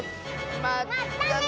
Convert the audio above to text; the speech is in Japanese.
まったね！